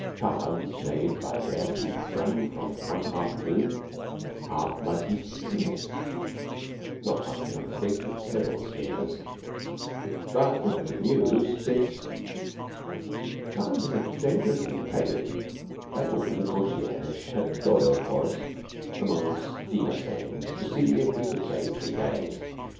Paths made by bare feet run from one half tomb, half mud heap to the next, not much more distinct than snail smears, but they have been used since.... Time is a dangerous thing to play with. That morning the concierge had toiled for us among steamer sailings to see if we could save three days.